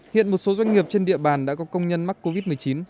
hiện một số doanh nghiệp trên địa bàn đã có công nhân mắc covid một mươi chín